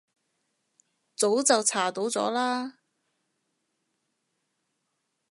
早就查到咗啦